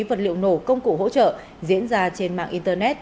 vật liệu nổ công cụ hỗ trợ diễn ra trên mạng internet